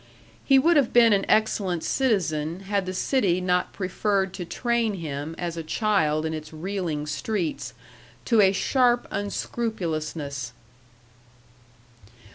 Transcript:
He would have been an excellent citizen had the city not preferred to train him, as a child in its reeling streets, to a sharp unscrupulousness.